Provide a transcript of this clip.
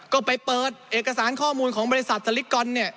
ก็ไปเปิดเอกสารข้อมูลของบริษัทสลิกอนเนี่ย